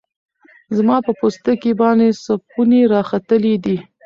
زما په پوستکی باندی سپوڼۍ راختلې دی